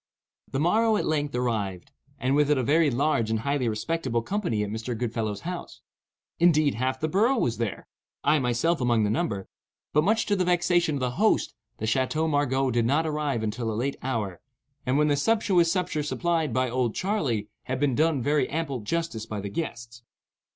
The morrow at length arrived, and with it a very large and highly respectable company at Mr. Goodfellow's house. Indeed, half the borough was there,—I myself among the number,—but, much to the vexation of the host, the Chateau Margaux did not arrive until a late hour, and when the sumptuous supper supplied by "Old Charley" had been done very ample justice by the guests.